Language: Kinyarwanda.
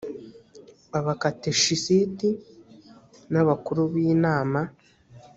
abakateshisiti n abakuru b inama